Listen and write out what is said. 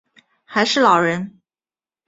还是老人